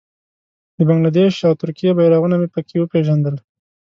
د بنګله دېش او ترکیې بېرغونه مې په کې وپېژندل.